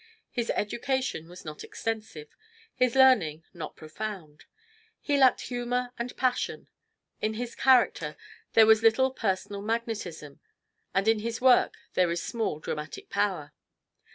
His education was not extensive, his learning not profound. He lacked humor and passion; in his character there was little personal magnetism, and in his work there is small dramatic power.